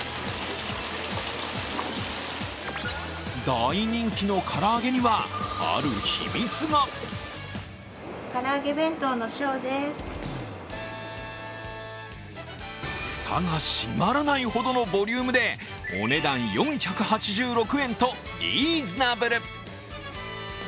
大人気のから揚げにはある秘密が蓋が閉まらないほどのボリュームでお値段４８６円とリーズナブル。